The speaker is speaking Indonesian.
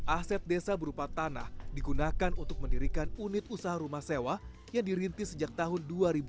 aset desa berupa tanah digunakan untuk mendirikan unit usaha rumah sewa yang dirintis sejak tahun dua ribu